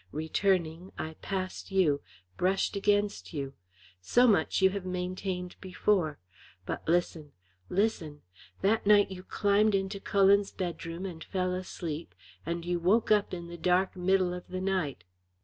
Returning I passed you, brushed against you. So much you have maintained before. But listen, listen! That night you climbed into Cullen's bedroom and fell asleep, and you woke up in the dark middle of the night."